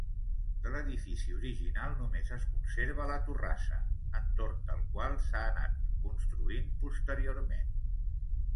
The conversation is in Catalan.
De l'edifici original només es conserva la torrassa, entorn del qual s'ha anat construint posteriorment.